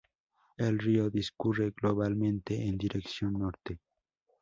El río discurre globalmente en dirección norte.